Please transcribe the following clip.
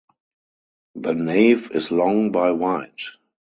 The nave is long by wide.